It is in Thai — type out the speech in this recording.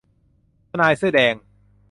ทนายเสื้อแดง